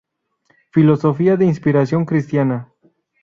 Filosofía de inspiración cristiana.